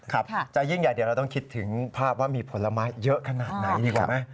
ครับจะยิ่งใหญ่เดี๋ยวเราต้องคิดถึงภาพว่ามีผลไม้เยอะขนาดไหนดีกว่าไหม